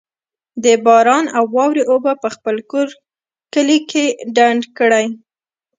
د باران او واورې اوبه په خپل کور، کلي کي ډنډ کړئ